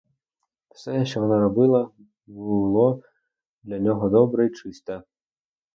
Все, що вона робила, було для нього добре і чисте.